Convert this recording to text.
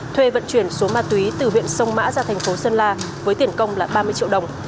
thuê vận chuyển số ma túy từ huyện sông mã ra thành phố sơn la với tiền công là ba mươi triệu đồng